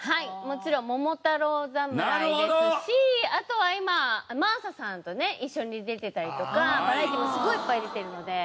もちろん『桃太郎侍』ですしあとは今真麻さんとね一緒に出たりとかバラエティーもすごいいっぱい出てるので。